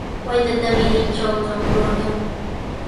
Waytatami qintrantraw mururqaa.